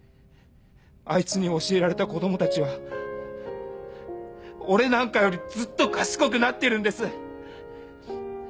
あいつに教えられた子供たちは俺なんかよりずっと賢くなってるんです。